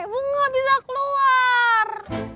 bunga bisa keluar